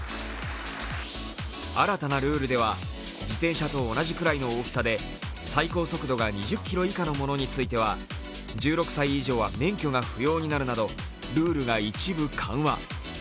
新たなルールでは自転車と同じくらいの大きさで最高速度が２０キロ以下のものについては１６歳以上は免許が不要になるなど、ルールが一部緩和。